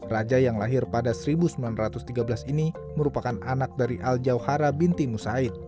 raja yang lahir pada seribu sembilan ratus tiga belas ini merupakan anak dari al jauhhara binti musaid